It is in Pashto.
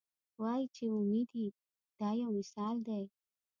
وایي چې اومې دي دا یو مثال دی.